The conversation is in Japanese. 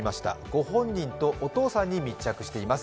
ご本人とお父さんに密着しています。